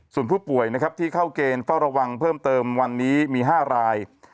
ส่วนผู้ป่วยนะครับที่เข้าเกณฑ์เฝ้าระวังเพิ่มเติมวันนี้มี๕ราย